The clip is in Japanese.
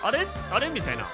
あれ？みたいな。